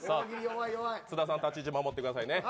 津田さんも立ち位置守ってくださいね。